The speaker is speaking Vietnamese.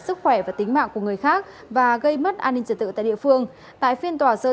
xin chào và hẹn gặp lại